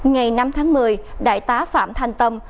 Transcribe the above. ngày năm tháng một mươi đại tá phạm thanh tâm